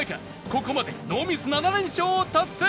ここまでノーミス７連勝達成！